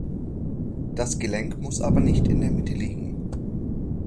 Das Gelenk muss aber nicht in der Mitte liegen.